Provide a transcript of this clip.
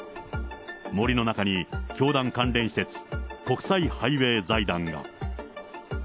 森の中に教団関連施設、国際ハイウエイ財団が。